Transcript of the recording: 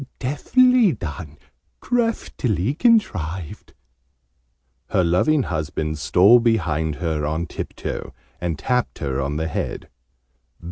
Deftly done! Craftily contrived!" Her loving husband stole behind her on tiptoe, and tapped her on the head.